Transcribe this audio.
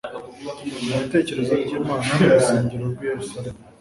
Mu bitekerezo by'Imana, urusengero rw'i Yerusalemu